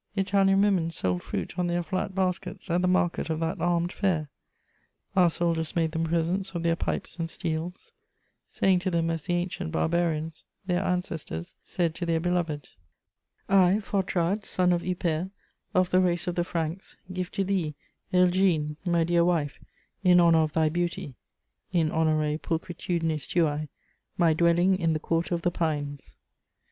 Italian women sold fruit on their flat baskets at the market of that armed fair; our soldiers made them presents of their pipes and steels, saying to them as the ancient barbarians, their ancestors, said to their beloved: "I, Fotrad, son of Eupert, of the race of the Franks, give to thee, Helgine, my dear wife, in honour of thy beauty (in honore pulchritudinis tuæ), my dwelling in the quarter of the Pines."